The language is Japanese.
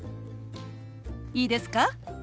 いいですか？